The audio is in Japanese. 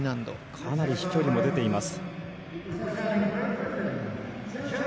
かなり飛距離も出ています。